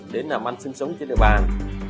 đến làm ăn sinh sống trên địa bàn